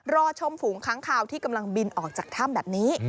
รอชมฝูงค้างคาวที่กำลังบินออกจากถ้ำแบบนี้